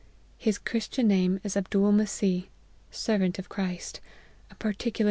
His Christian name is Ab dool Messeeh, Servant of Christ ;' a particu lar